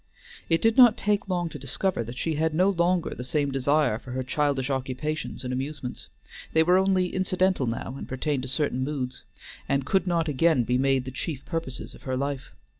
It did not take long to discover that she had no longer the same desire for her childish occupations and amusements; they were only incidental now and pertained to certain moods, and could not again be made the chief purposes of her life.